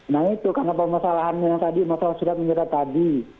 nah itu karena permasalahannya tadi masalah sudah menyerah tadi